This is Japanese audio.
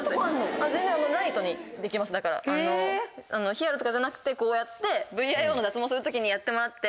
ヒアルとかじゃなくてこうやってＶＩＯの脱毛する時にやってもらって。